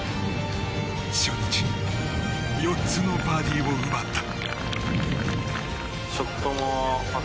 初日４つのバーディーを奪った。